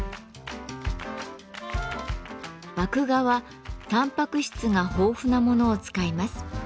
麦芽はタンパク質が豊富なものを使います。